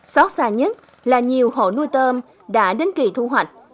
xót xa nhất là nhiều hộ nuôi tôm đã đến kỳ thu hoạch